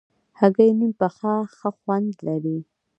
هګۍ نیم پخه ښه خوند لري.